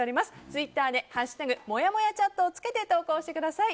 ツイッターで「＃もやもやチャット」をつけて投稿してください。